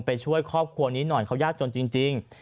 ช่วยครอบครัวนี้หน่อยเขายากจนจริง